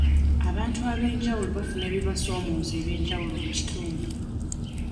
Abantu ab'enjawulo bafuna ebibasoomooza eby'enjawulo mu kitundu.